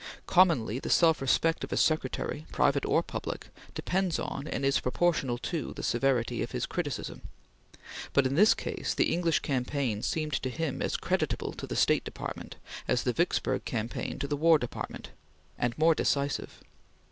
Commonly the self respect of a secretary, private or public, depends on, and is proportional to, the severity of his criticism, but in this case the English campaign seemed to him as creditable to the State Department as the Vicksburg campaign to the War Department, and more decisive.